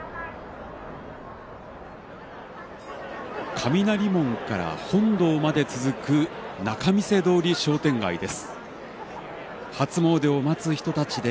雷門から本堂まで続く仲見世通り商店街です。